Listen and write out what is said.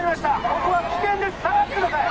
ここは危険です下がってください